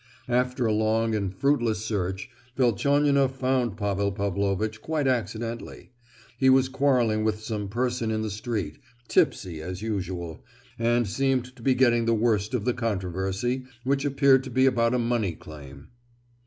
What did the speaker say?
After a long and fruitless search Velchaninoff found Pavel Pavlovitch quite accidentally; he was quarrelling with some person in the street—tipsy as usual, and seemed to be getting the worst of the controversy, which appeared to be about a money claim.